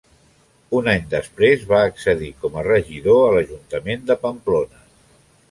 Un any després va accedir com a regidor a l'ajuntament de Pamplona.